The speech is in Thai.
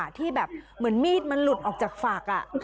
ที่แบบเหมือนมีดมันหลุดออกจากฝัก